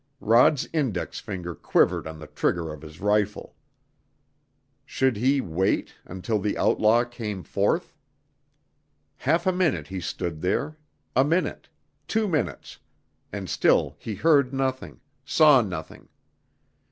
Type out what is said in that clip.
Rod's index finger quivered on the trigger of his rifle. Should he wait until the outlaw came forth? Half a minute he stood there, a minute, two minutes, and still he heard nothing, saw nothing.